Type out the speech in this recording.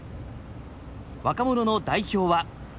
若者の代表は。